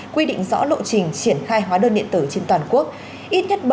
quy định rõ lộ trình triển khai hóa đơn điện tử trên toàn quốc